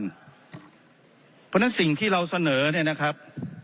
เพราะฉะนั้นสิ่งที่เราเสนอเนี่ยนะครับ